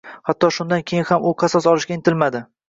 Hatto shundan keyin ham u qasos olishga intilmadi